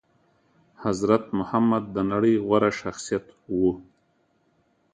حضرت محمد د نړي غوره شخصيت وو